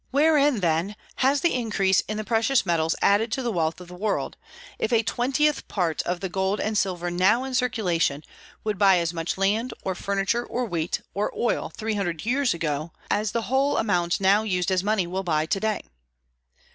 Wherein, then, has the increase in the precious metals added to the wealth of the world, if a twentieth part of the gold and silver now in circulation would buy as much land, or furniture, or wheat, or oil three hundred years ago as the whole amount now used as money will buy to day?